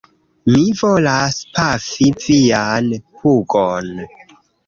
Mi volas pafi vian pugon!